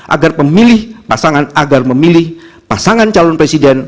agar memilih pasangan calon presiden